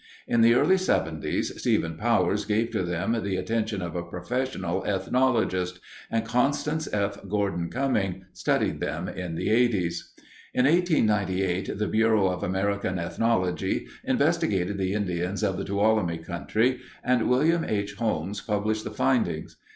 In the early 'seventies, Stephen Powers gave to them the attention of a professional ethnologist, and Constance F. Gordon Cumming studied them in the 'eighties. In 1898, the Bureau of American Ethnology investigated the Indians of the Tuolumne country, and William H. Holmes published the findings.